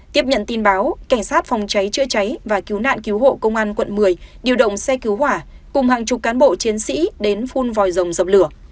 tiếp nhận tin báo cảnh sát phòng cháy chữa cháy và cứu nạn cứu hộ công an quận một mươi điều động xe cứu hỏa cùng hàng chục cán bộ chiến sĩ đến phun vòi rồng dập lửa